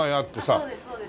そうですそうです。